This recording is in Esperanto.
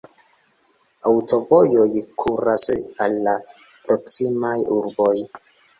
Aŭtovojoj kuras al la proksimaj urboj.